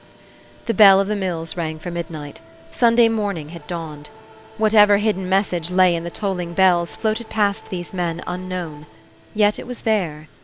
The bell of the mills rang for midnight. Sunday morning had dawned. Whatever hidden message lay in the tolling bells floated past these men unknown. Yet it was there.